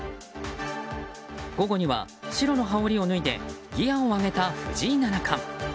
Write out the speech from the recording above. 午後には、白の羽織を脱いでギアを上げた藤井七冠。